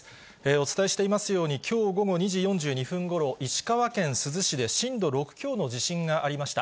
お伝えしていますように、きょう午後２時４２分ごろ、石川県珠洲市で震度６強の地震がありました。